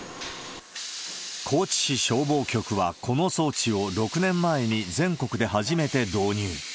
高知市消防局は、この装置を６年前に全国で初めて導入。